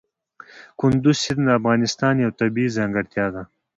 کندز سیند د افغانستان یوه طبیعي ځانګړتیا ده.